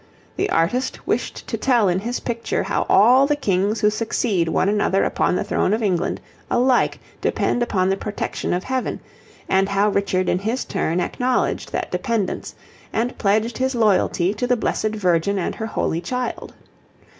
The artist wished to tell in his picture how all the Kings who succeed one another upon the throne of England alike depend upon the protection of Heaven, and how Richard in his turn acknowledged that dependence, and pledged his loyalty to the Blessed Virgin and her Holy Child.